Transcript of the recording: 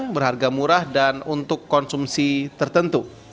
berharga murah dan untuk konsumsi tertentu